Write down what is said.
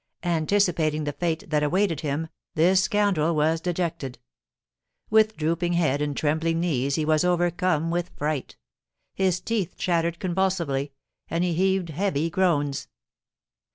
Anticipating the fate that awaited him, this scoundrel was dejected. With drooping head and trembling knees he was overcome with fright; his teeth chattered convulsively, and he heaved heavy groans.